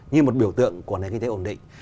như một biểu tượng của nền kinh tế ổn định